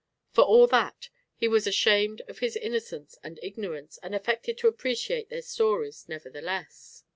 For all that he was ashamed of his innocence and ignorance and affected to appreciate their stories nevertheless.